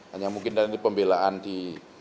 hanya mungkin nanti pembelaan di